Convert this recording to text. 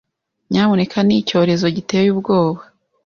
Ni byo ni icyorezo giteye ubwoba,